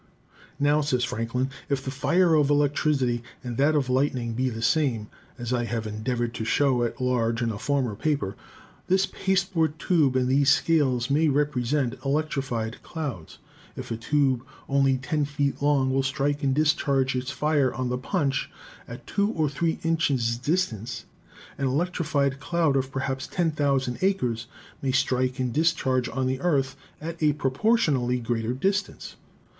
"Now," says Franklin, " if the fire of electricity and that of lightning be the same, as I have endeavored to show at large in a former paper, this pasteboard tube and 174 ELECTRICITY these scales may represent electrified clouds. If a tube only 10 feet long will strike and discharge its fire on the punch at two or three inches distance, an electrified cloud of perhaps 10,000 acres may strike and discharge on the earth at a proportionately greater distance.